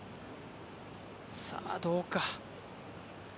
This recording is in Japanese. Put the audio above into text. さあ、どうか。